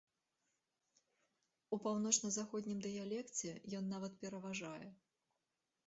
У паўночна-заходнім дыялекце ён нават пераважае.